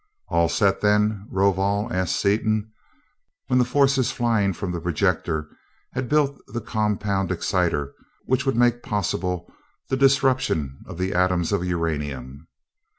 "All set, then, Rovol?" asked Seaton, when the forces flying from the projector had built the compound exciter which would make possible the disruption of the atoms of uranium.